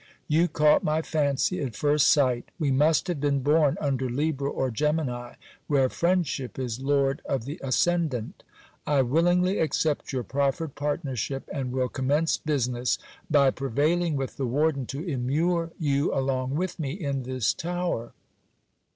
You caught my fancy at first sight We must have been born under Libra or Gemini, where friendship is lord of the ascendant. I willingly accept your proffered partnership, and will commence business by prevailing with the warden to immure you along with me in this tower.